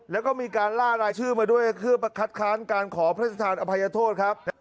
แล้วก็มีการล่ารายชื่อมาด้วยเพื่อคัดค้านการขอพระราชทานอภัยโทษครับ